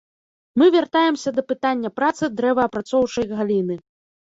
Мы вяртаемся да пытання працы дрэваапрацоўчай галіны.